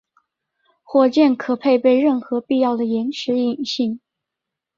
火箭可配备任何必要的延迟引信。